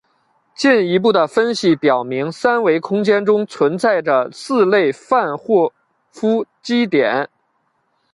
进一步的分析表明三维空间中存在着四类范霍夫奇点。